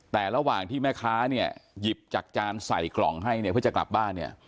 แต่ระหว่างที่แม่ค้าเนี่ยหยิบจากจานใส่กล่องให้เนี่ยเพื่อจะกลับบ้านเนี่ย